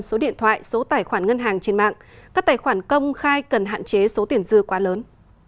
số điện thoại số tài khoản ngân hàng trên mạng các tài khoản công khai cần hạn chế số tiền dư quá lớn